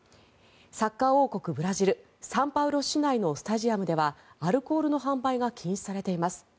サッカー王国ブラジルサンパウロ市内のスタジアムではアルコールの販売が禁止されています。